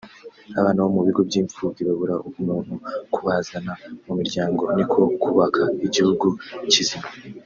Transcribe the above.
abana bo mu bigo by’imfubyi babura ubumuntu kubazana mu miryango niko kubaka igihugu kizima